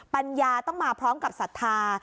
ปัญญาต้องมาพร้อมกับศรัทธา